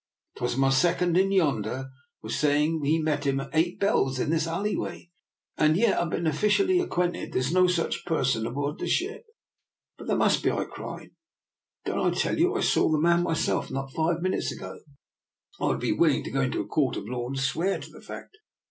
'Twas my second in yonder was saying he met him at eight bells in this alleyway. And yet I've been officially acquented there's no such per son aboard the ship." But there must be," I cried. " Don't I tell you I saw the man myself, not five min utes ago? I would be willing to go into a court of law and swear to the fact."